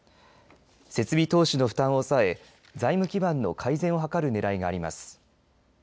設備投資の負担を抑え財務基盤の改善を図るねらいがあります。